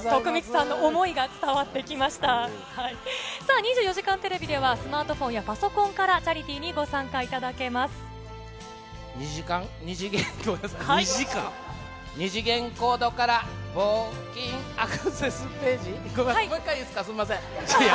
さあ、２４時間テレビではスマートフォンやパソコンからチャリティーに２時間、ごめんなさい。